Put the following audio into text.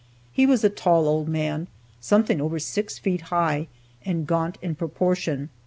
He was a tall old man, something over six feet high, and gaunt in proportion.